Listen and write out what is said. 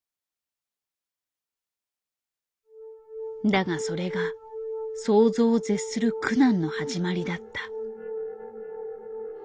だがそれが想像を絶する苦難の始まりだった。